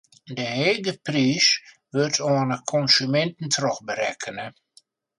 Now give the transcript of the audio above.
Dy hege priis wurdt oan de konsuminten trochberekkene.